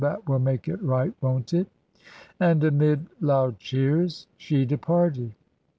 That will make it right, won't it?" And amid loud cheers she departed.